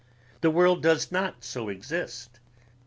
The world does not so exist